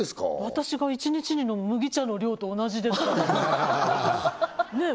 私が一日に飲む麦茶の量と同じですよねえ